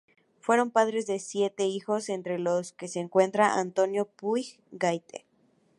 Fueron padres de siete hijos entre los que se encuentra Antonio Puig Gaite.